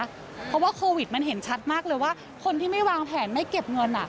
เพราะว่าโควิดมันเห็นชัดมากเลยว่าคนที่ไม่วางแผนไม่เก็บเงิน